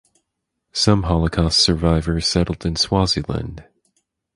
Some Holocaust survivors settled in Swaziland.